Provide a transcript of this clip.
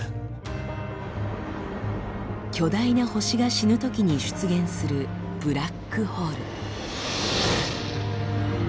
巨大な星が死ぬときに出現するブラックホール。